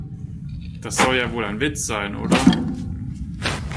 Das soll ja wohl ein Witz sein, oder?